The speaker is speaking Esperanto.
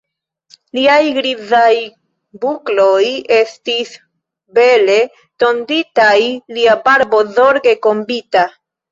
Liaj grizaj bukloj estis bele tonditaj, lia barbo zorge kombita.